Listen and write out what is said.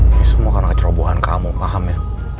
ini semua karena kecerobohan kamu paham ya